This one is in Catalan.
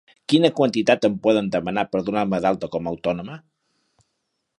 Quina quantitat em poden demanar per donar-me d'alta com a autònoma?